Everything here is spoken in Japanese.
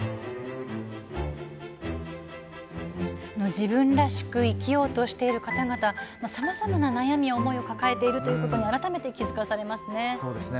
自分らしく生きようとしている方々、さまざまな悩みや思いを抱えていることを改めて気付かされますね。